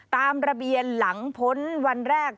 ตามระเบียนหลังพ้นวันแรก